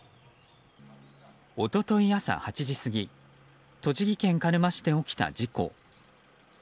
一昨日朝８時過ぎ栃木県鹿沼市で起きた事故。